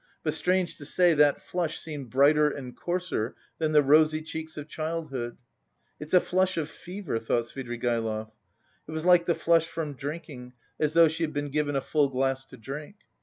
But strange to say that flush seemed brighter and coarser than the rosy cheeks of childhood. "It's a flush of fever," thought Svidrigaïlov. It was like the flush from drinking, as though she had been given a full glass to drink.